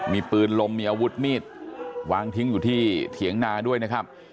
มีปืนลมมีอาวุธมีดวางทิ้งอยู่ที่เถียงนาด้วยนะครับ